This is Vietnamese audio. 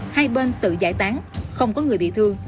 hai bên tự giải tán không có người bị thương